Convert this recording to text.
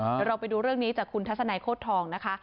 เดี๋ยวเราไปดูเรื่องนี้จากคุณทัศนัยโคตรทองนะคะ